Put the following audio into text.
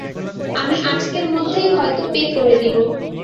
আমি আজকের মধ্যেই হয়ত পে করে দিবো।